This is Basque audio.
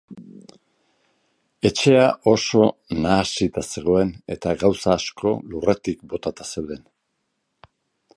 Etxea oso nahasita zegoen eta gauza asko lurretik botata zeuden.